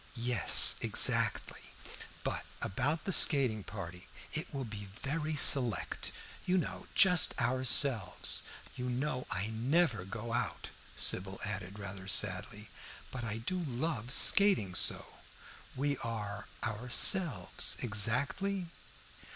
"Yes, exactly. But about the skating party. It will be very select, you know; just ourselves. You know I never go out," Sybil added rather sadly, "but I do love skating so." "Who are 'ourselves' exactly?"